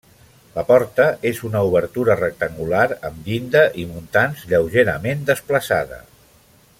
La porta és una obertura rectangular amb llinda i muntants, lleugerament desplaçada.